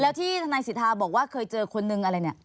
แล้วที่ทนายสิทธาบอกว่าเคยเจอคนนึงอะไรเนี่ย